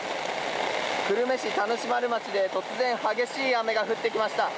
久留米市田主丸町で突然激しい雨が降ってきました。